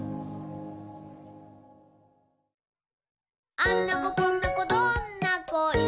「あんな子こんな子どんな子いろ